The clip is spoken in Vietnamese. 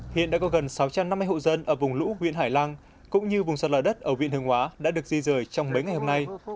hiện đã có gần sáu trăm năm mươi hộ dân ở vùng lũ huyện hải lăng cũng như vùng sạt lở đất ở huyện hương hóa đã được di rời trong mấy ngày hôm nay